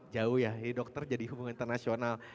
jauh ya jadi dokter jadi hubungan internasional